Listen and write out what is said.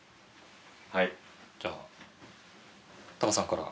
じゃあタカさんから。